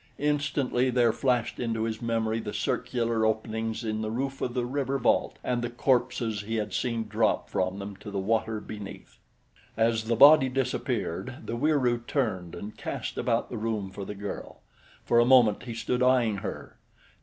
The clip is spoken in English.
Instantly there flashed into his memory the circular openings in the roof of the river vault and the corpses he had seen drop from them to the water beneath. As the body disappeared, the Wieroo turned and cast about the room for the girl. For a moment he stood eying her.